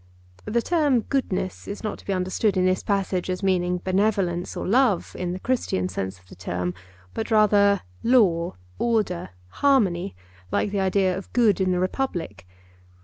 The term 'goodness' is not to be understood in this passage as meaning benevolence or love, in the Christian sense of the term, but rather law, order, harmony, like the idea of good in the Republic.